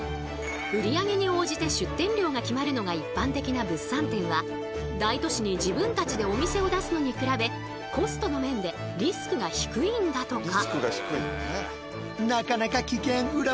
売り上げに応じて出店料が決まるのが一般的な物産展は大都市に自分たちでお店を出すのに比べコストの面でリスクが低いんだとか。